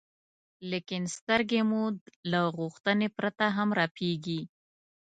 لیکن سترګې مو له غوښتنې پرته هم رپېږي.